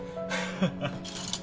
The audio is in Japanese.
ハハハ。